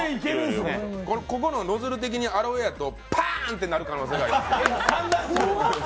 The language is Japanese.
ここのノズル的にアロエだとパーンとなる可能性があります。